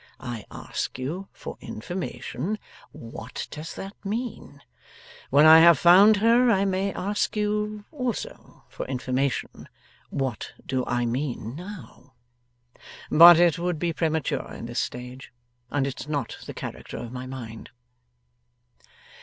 I ask you for information what does that mean? When I have found her I may ask you also for information what do I mean now? But it would be premature in this stage, and it's not the character of my mind.